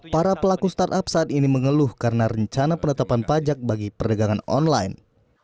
para pelaku startup saat ini mengeluh karena rencana penetapan pajak bagi perdagangan online